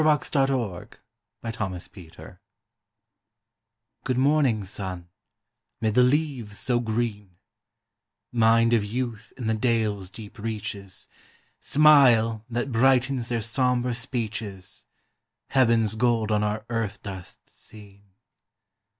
THE MAIDENS' SONG (FROM HALTE HULDA) Good morning, sun, 'mid the leaves so green Mind of youth in the dales' deep reaches, Smile that brightens their somber speeches, Heaven's gold on our earth dust seen!